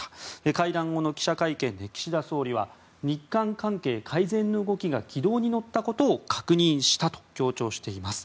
会談後の記者会見で岸田総理は日韓関係改善の動きが軌道に乗ったことを確認したと強調しています。